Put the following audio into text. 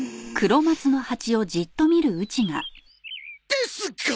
ですが！